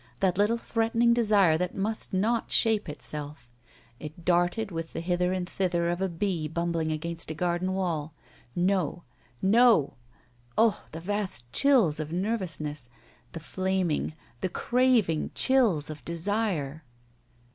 That little threatening desire that must not shape itself! It darted with the hither and thither of a bee bum bling against a garden wall. No! No! Ugh! the vast chills of nervousness. The flaming, the craving chills of desire